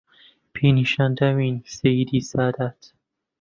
پێی نیشان داوین سەییدی سادات